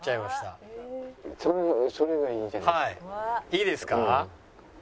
いいですか？